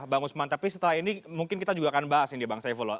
bang usman tapi setelah ini mungkin kita juga akan bahas ini bang saifullah